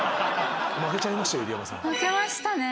負けちゃいましたよ